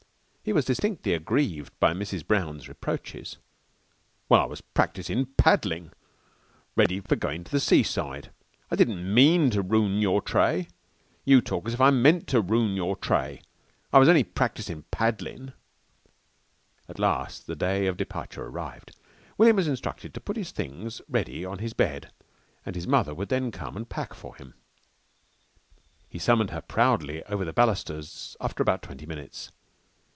He was distinctly aggrieved by Mrs. Brown's reproaches. "Well, I was practisin' paddlin', ready for goin' to the seaside. I didn't mean to rune your tray. You talk as if I meant to rune your tray. I was only practisin' paddlin'." At last the day of departure arrived. William was instructed to put his things ready on his bed, and his mother would then come and pack for him. He summoned her proudly over the balusters after about twenty minutes.